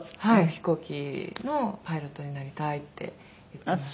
飛行機のパイロットになりたいって言ってますね。